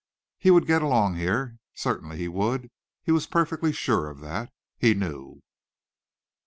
He would get along here. Certainly he would. He was perfectly sure of that. He knew.